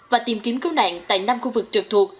và tìm kiếm cứu nạn tại năm khu vực trực thuộc